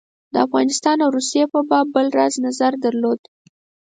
د افغانستان او روسیې په باب بل راز نظر درلود.